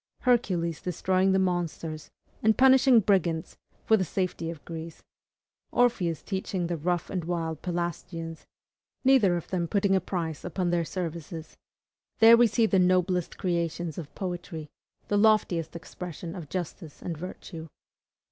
Hercules destroying the monsters and punishing brigands for the safety of Greece, Orpheus teaching the rough and wild Pelasgians, neither of them putting a price upon their services, there we see the noblest creations of poetry, the loftiest expression of justice and virtue.